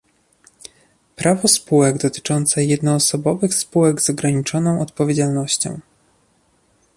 Prawo spółek dotyczące jednoosobowych spółek z ograniczoną odpowiedzialnością